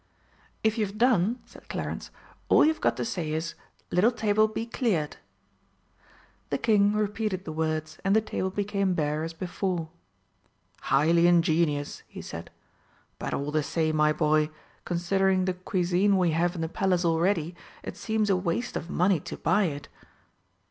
"If you've done," said Clarence, "all you've got to say is: 'Little table, be cleared.'" The King repeated the words, and the table became bare as before. "Highly ingenious," he said; "but all the same, my boy, considering the cuisine we have in the Palace already, it seems a waste of money to buy it."